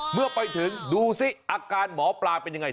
เมื่อไปถึงดูสิอาการหมอปลาเป็นยังไง